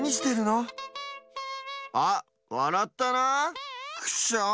あっわらったなクッショーン！